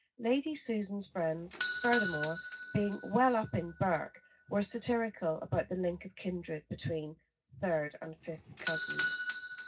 Lady Susan's friends, furthermore, being well up in Burke, were satirical about the link of kindred between third or fifth cousins.